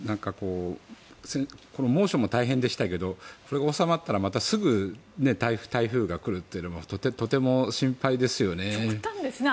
猛暑も大変でしたけどそれが収まったらまたすぐ台風が来るというのもとても心配ですよね。